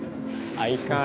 相変わらずだな。